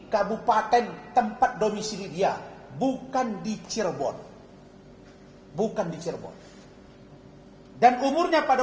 kabupaten tempat domisili dia bukan dicerbon hai bukan dicerbon hai dan umurnya pada